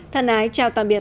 thân ái chào tạm biệt